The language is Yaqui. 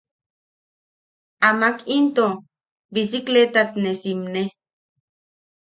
Amak into bisikleetat ne simne.